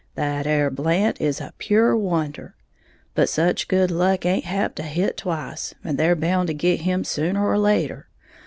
That 'ere Blant is a pure wonder; but such good luck haint apt to hit twice, and they're bound to git him sooner or later.